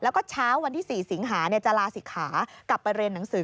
แล้วก็เช้าวันที่๔สิงหาจะลาศิกขากลับไปเรียนหนังสือ